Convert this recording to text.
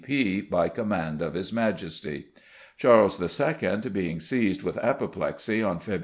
C.P. by command of His Majesty. Charles II. being seized with apoplexy on Feb.